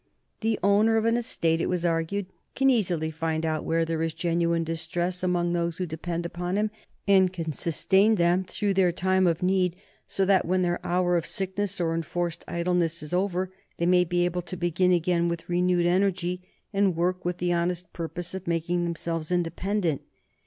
The owner of an estate, it was argued, can easily find out where there is genuine distress among those who depend upon him, and can sustain them through their time of need, so that when their hour of sickness or enforced idleness is over they may be able to begin again with renewed energy, and work with the honest purpose of making themselves independent.